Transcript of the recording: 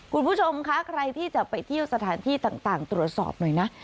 คุณผู้ชมคะใครที่จะไปเที่ยวสถานที่ต่างตรวจสอบหน่อยนะ